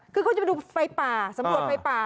คือเขาจะไปดูไฟป่าสำรวจไฟป่า